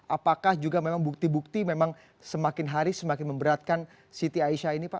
apakah juga memang bukti bukti memang semakin hari semakin memberatkan siti aisyah ini pak